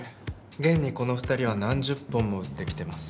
現にこの２人は何十本も売ってきてます。